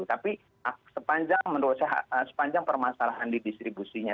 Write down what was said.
tapi sepanjang permasalahan di distribusinya